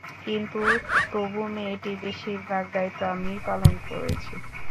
কিন্তু তবু মেয়েটির বেশির ভাগ দায়িত্ব আমিই পালন করেছি।